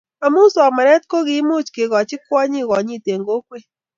amu somanet kokiimuch kekochi kwonyik konyit en kokwee